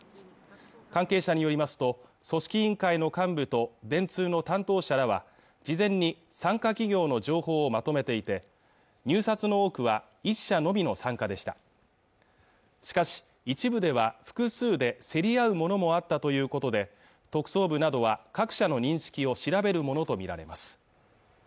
関係者によりますと組織委員会の幹部と電通の担当者らは事前に参加企業の情報をまとめていて入札の多くは１社のみの参加でしたしかし一部では複数で競り合うものもあったということで特捜部などは各社の認識を調べるものと見られます